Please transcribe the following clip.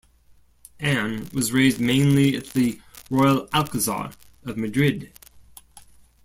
Anne was raised mainly at the Royal Alcazar of Madrid.